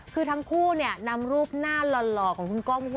คือทั้งคู่นำรูปหน้าหล่อของคุณก้อง